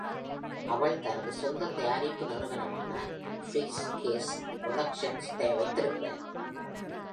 அவள் தனது சொந்த தயாரிப்பு நிறுவனமான ப்ரீஃப்கேஸ் புரொடக்ஷன்ஸ் வைத்திருக்கிறார்.